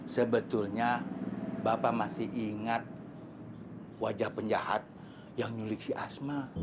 sebetulnya bapak masih ingat wajah penjahat yang nyuliksi asma